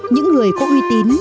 những người có uy tín